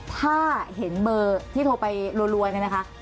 ถ้าเห็นเบอร์ที่โทรไปรัวเนี่ยนะคะ